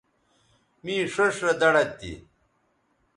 می ݜیئݜ رے دڑد تھی